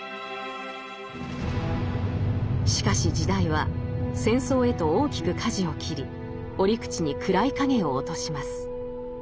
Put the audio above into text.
しかし時代は戦争へと大きくかじを切り折口に暗い影を落とします。